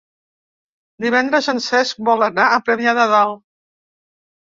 Divendres en Cesc vol anar a Premià de Dalt.